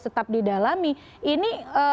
tetap didalami ini